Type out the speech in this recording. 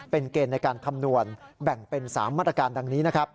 เป็นเกณฑ์ในการคำนวณแบ่งเป็น๓มาตรการดังนี้นะครับ